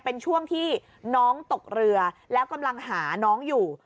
เป็นช่วงที่น้องตกเรือแล้วกำลังหาน้องอยู่